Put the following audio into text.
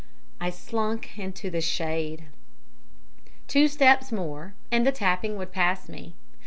I slunk into the shade. Two steps more and the tapping would pass me.